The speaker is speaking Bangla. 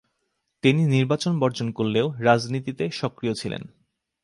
তিনি নির্বাচন বর্জন করলেও রাজনীতিতে সক্রিয় ছিলেন।